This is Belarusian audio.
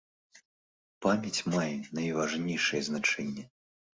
Памяць мае найважнейшае значэнне.